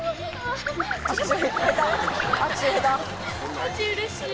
マジうれしい。